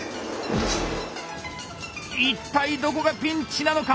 一体どこがピンチなのか！